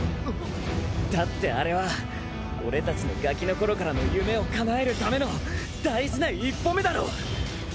だってあれは俺たちのガキのころからの夢をかなえるための大事な一歩目だろう！